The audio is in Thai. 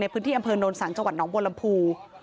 ในพื้นที่อำเภอโนรสังจังหวัดน้องโบรัมภูมิ